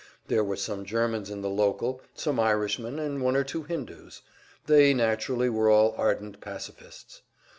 There were some Germans in the local, some Irishmen, and one or two Hindoos; they, naturally, were all ardent pacifists.